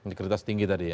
integritas tinggi tadi ya